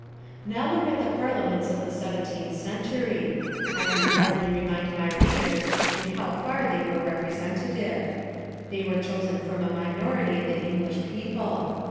Now look at the parliaments of the seven teenth century. I need hardly remind my readers in how far they were representative. They were chosen from a minority of the Eng lish people.